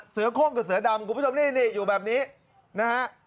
โค้งกับเสือดำคุณผู้ชมนี่อยู่แบบนี้นะฮะ